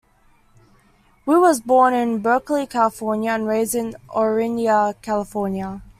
Wu was born in Berkeley, California, and raised in Orinda, California.